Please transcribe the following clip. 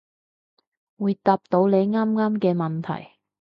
會答到你啱啱嘅問題